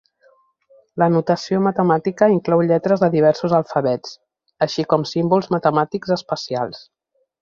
La notació matemàtica inclou lletres de diversos alfabets, així com símbols matemàtics especials.